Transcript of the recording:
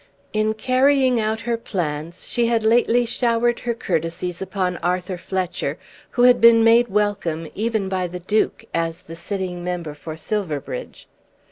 In carrying out her plans, she had lately showered her courtesies upon Arthur Fletcher, who had been made welcome even by the Duke as the sitting member for Silverbridge.